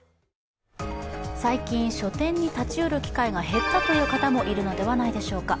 最近、書店に立ち寄る機会が減ったという方もいるのではないでしょうか。